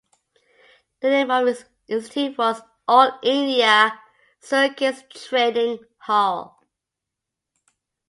The name of his institute was "All India Circus Training Hall".